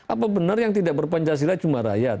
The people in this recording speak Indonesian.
apa benar yang tidak berpancasila cuma rakyat